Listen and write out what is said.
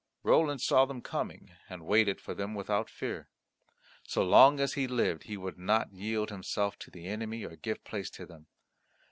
Roland saw them coming, and waited for them without fear. So long as he lived he would not yield himself to the enemy or give place to them.